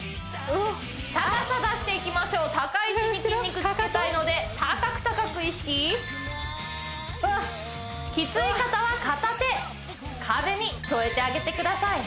高さ出していきましょう高い位置に筋肉つけたいので高く高く意識キツい方は片手壁に添えてあげてください